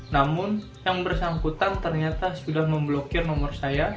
namun yang bersangkutan ternyata sudah memblokir nomor saya